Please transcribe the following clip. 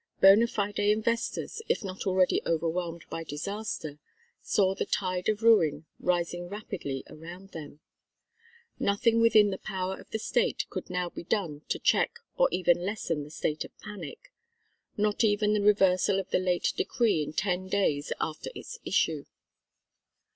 Bona fide investors, if not already overwhelmed by disaster, saw the tide of ruin rising rapidly around them. Nothing within the power of the state could now be done to check or even lessen the state of panic; not even the reversal of the late decree in ten days after its issue.